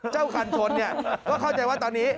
คันชนเนี่ยก็เข้าใจว่าตอนนี้